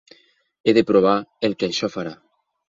He de provar el que això farà.